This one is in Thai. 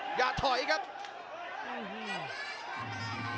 มาต่อครับ